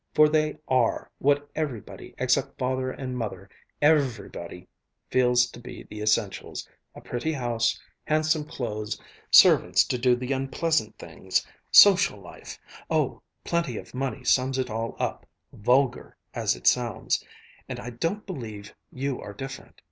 For they are what everybody except Father and Mother every body feels to be the essentials a pretty house, handsome clothes, servants to do the unpleasant things, social life oh, plenty of money sums it all up, 'vulgar' as it sounds. And I don't believe you are different.